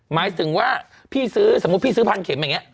หมายถึงว่าสมมุติพี่ซื้อ๑๐๐๐เข็มอย่างนี้